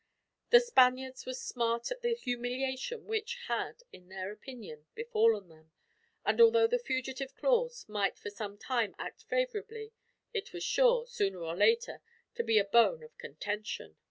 The Spaniards would smart at the humiliation which had, in their opinion, befallen them; and although the fugitive clause might for some time act favorably, it was sure, sooner or later, to be a bone of contention.